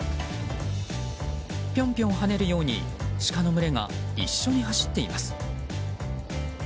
ピョンピョン跳ねるようにシカの群れが一緒に走っています。